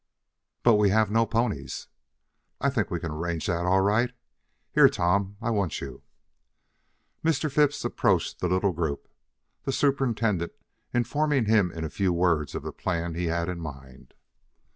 "But, we have no ponies." "I think we can arrange that all right. Here, Tom, I want you." Mr. Phipps approached the little group, the superintendent, informing him in a few words of the plan he had in mind.